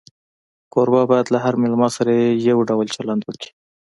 کوربه باید له هر مېلمه سره یو ډول چلند وکړي.